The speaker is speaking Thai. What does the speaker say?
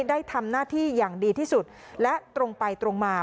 ได้ทำหน้าที่อย่างดีที่สุดและตรงไปตรงมา